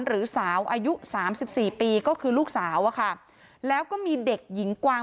หรือสาวอายุสามสิบสี่ปีก็คือลูกสาวอะค่ะแล้วก็มีเด็กหญิงกวาง